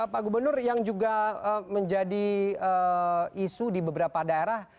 pak gubernur yang juga menjadi isu di beberapa daerah